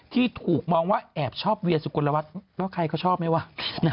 ที่ถูกมองว่าแอบชอบเวียสุกลวัฒน์แล้วใครเขาชอบไหมวะ